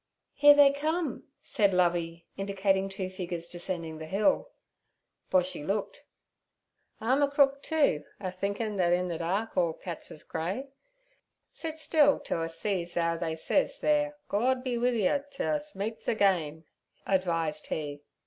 'Here they come' said Lovey, indicating two figures descending the hill. Boshy looked. 'Arm acrook, too, a thinkin' thet in ther dark all cats is grey. Sit still t' us sees 'ow they sez their "Gord be wi yer t' us meets agin,"' advised he.